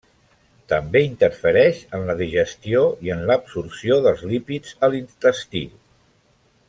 També interfereix en la digestió i en l'absorció dels lípids a l'intestí.